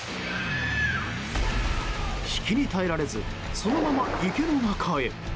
引きに耐えられずそのまま池へ。